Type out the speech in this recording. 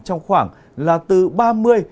trong khoảng là từ ba mươi độ